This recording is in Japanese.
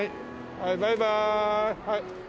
はいバイバーイ。